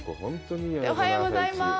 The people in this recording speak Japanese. おはようございます。